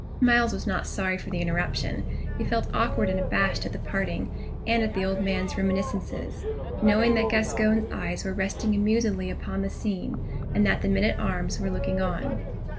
Myles was not sorry for the interruption; he felt awkward and abashed at the parting, and at the old man's reminiscences, knowing that Gascoyne's eyes were resting amusedly upon the scene, and that the men at arms were looking on.